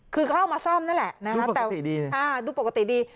คือเข้ามาซ่อมนั่นแหละดูปกติดี